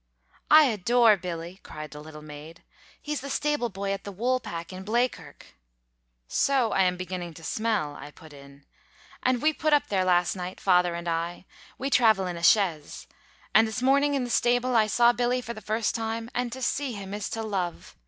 "I adore Billy," cried the little maid "he's the stable boy at the 'Woolpack' in Blea kirk " "So I am beginning to smell," I put in. "and we put up there last night father and I. We travel in a chaise. And this morning in the stable I saw Billy for the first time, and to see him is to love.